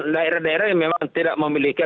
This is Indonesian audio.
daerah daerah yang memang tidak memiliki